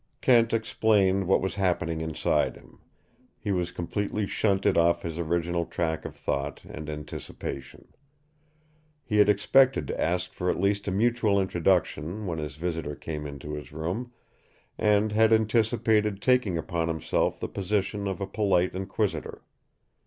Kent explained what was happening inside him. He was completely shunted off his original track of thought and anticipation. He had expected to ask for at least a mutual introduction when his visitor came into his room, and had anticipated taking upon himself the position of a polite inquisitor.